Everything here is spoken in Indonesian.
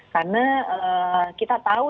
karena kita tahu